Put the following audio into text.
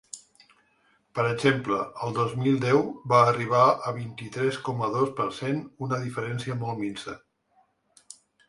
Per exemple, el dos mil deu va arribar a vint-i-tres coma dos per cent una diferència molt minsa.